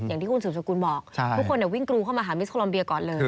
อย่างที่คุณสืบสกุลบอกทุกคนวิ่งกรูเข้ามาหามิสโคลอมเบียก่อนเลย